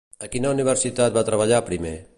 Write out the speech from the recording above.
A quina universitat va treballar primer?